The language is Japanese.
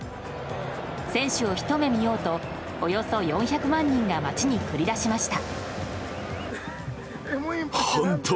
選手をひと目見ようとおよそ４００万人が街に繰り出しました。